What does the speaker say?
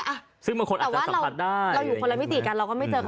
แต่ว่าเราอยู่คนละมิติกันเราก็ไม่เจอกัน